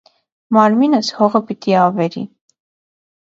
Մարմինս հողը պիտի ավերի: